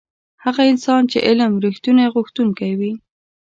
هغه انسان چې علم رښتونی غوښتونکی وي.